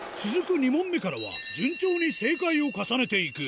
２問目からは順調に正解を重ねていく。